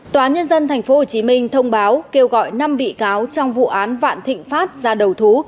tòa nhân dân tp hcm thông báo kêu gọi năm bị cáo trong vụ án vạn thịnh pháp ra đầu thú